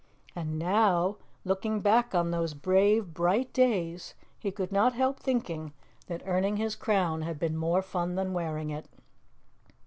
And now, looking back on those brave, bright days, he could not help thinking that earning his crown had been more fun than wearing it.